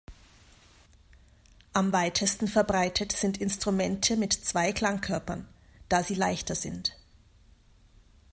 Am weitesten verbreitet sind Instrumente mit zwei Klangkörpern, da sie leichter sind.